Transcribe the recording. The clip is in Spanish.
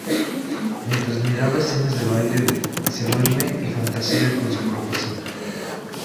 Mientras miraba escenas de baile se duerme y fantasea con su profesora.